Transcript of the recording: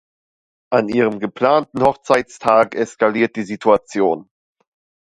An ihrem geplanten Hochzeitstag eskaliert die Situation.